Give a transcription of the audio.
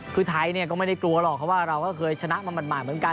คือไทยเนี่ยก็ไม่ได้กลัวหรอกเพราะว่าเราก็เคยชนะมาหมาดเหมือนกัน